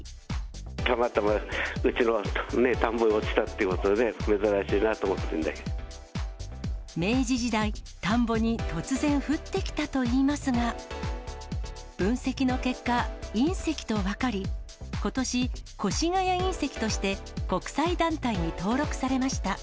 たまたまうちの田んぼに落ちたっていうことで、明治時代、田んぼに突然、降ってきたといいますが、分析の結果、隕石と分かり、ことし、越谷隕石として国際団体に登録されました。